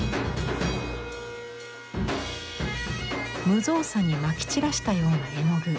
無造作にまき散らしたような絵の具。